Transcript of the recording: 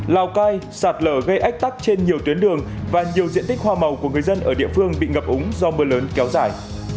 lào cai sạt lở gây ách tắc trên nhiều tuyến đường và nhiều diện tích hoa màu của người dân ở địa phương bị ngập úng do mưa lớn kéo dài